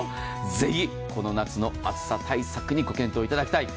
ぜひ、この夏の暑さ対策にご検討いただきたい。